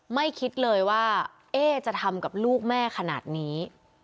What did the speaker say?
ไม่คิดเลยว่าเอ๊จะทำกับลูกแม่ขนาดนี้